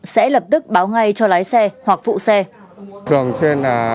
sẽ lập tức báo ngay cho lái xe hoặc phụ xe